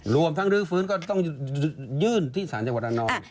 รวมทั้งรื้อฟื้นก็ต้องยื่นที่สารจังหวัดระนอง